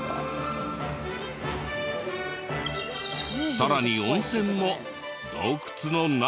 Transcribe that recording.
さらに温泉も洞窟の中。